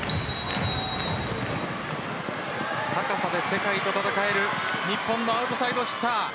高さで世界と戦える日本のアウトサイドヒッター。